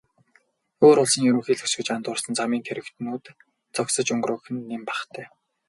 Өөр улсын ерөнхийлөгч гэж андуурсан замын тэрэгнүүд зогсож өнгөрөөх нь нэн бахтай.